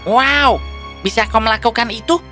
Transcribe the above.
wow bisa kau melakukan itu